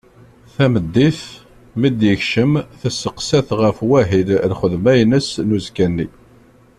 Tameddit, mi d-yekcem testeqsa-t ɣef wahil n lxedma-ines n uzekka-nni.